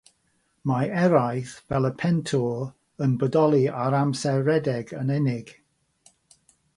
Mae eraill, fel y pentwr, yn bodoli ar amser rhedeg yn unig.